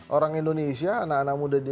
orang indonesia anak anak muda di